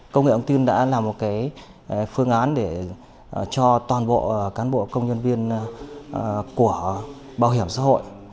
công nghệ thông tin đã làm một cái phương án để cho toàn bộ cán bộ công nhân viên của bảo hiểm xã hội